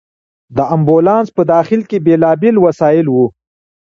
د امبولانس په داخل کې بېلابېل وسایل وو.